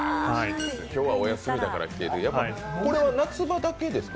今日はお休みだから来ていただいたけど、これは夏場だけですか？